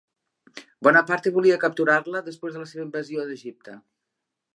Bonaparte volia capturar-la després de la seva invasió d'Egipte.